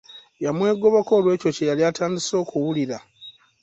Yamwegobako olw'ekyo kye yali atandise okuwulira.